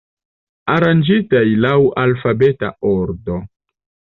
Aranĝitaj laŭ alfabeta ordo.